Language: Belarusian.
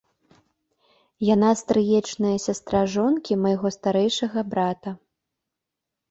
Яна стрыечная сястра жонкі майго старэйшага брата.